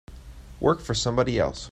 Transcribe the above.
Work for somebody else.